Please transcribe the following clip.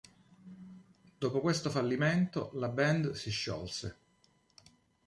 Dopo questo fallimento, la band si sciolse.